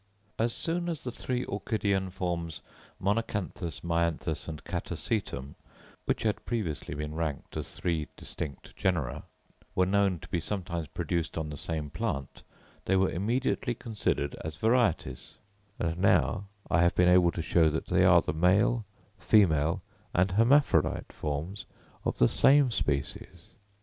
As soon as the three Orchidean forms, Monachanthus, Myanthus, and Catasetum, which had previously been ranked as three distinct genera, were known to be sometimes produced on the same plant, they were immediately considered as varieties; and now I have been able to show that they are the male, female, and hermaphrodite forms of the same species.